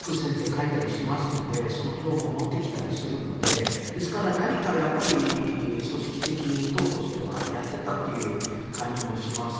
かえたりしますのでその情報を持ってきたりするのでですから何か組織的に党としてはやっていたという感じがします。